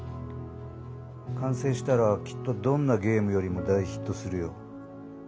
完成したらきっとどんなゲームよりも大ヒットするよ。